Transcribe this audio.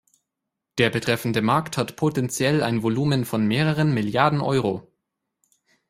Der betreffende Markt hat potenziell ein Volumen von mehreren Milliarden Euro.